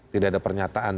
tidak ada pernyataan